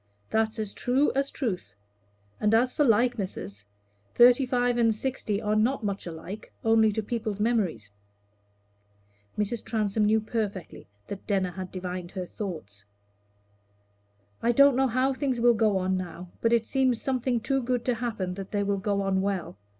That's as true as truth. And as for likenesses, thirty five and sixty are not much alike, only to people's memories." Mrs. Transome knew perfectly that Denner had divined her thoughts. "I don't know how things will go on now, but it seems something too good to happen that they will go on well.